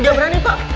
gak berani pak